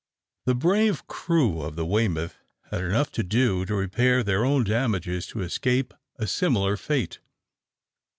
The brave crew of the "Weymouth" had enough to do to repair their own damages to escape a similar fate.